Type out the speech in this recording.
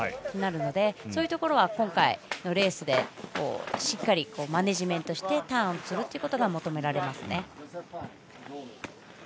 そうなるのでそういうところは今回のレースでしっかりマネージメントしてターンをすることが求められます。